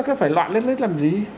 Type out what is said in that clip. cứ phải loạn lên lên làm gì